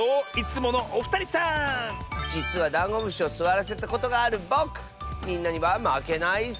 じつはダンゴムシをすわらせたことがあるぼくみんなにはまけないッス！